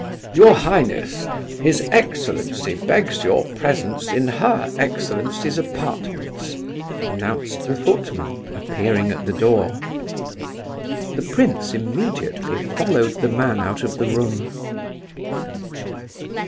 "Your highness! His excellency begs your presence in her excellency's apartments!" announced the footman, appearing at the door. The prince immediately followed the man out of the room.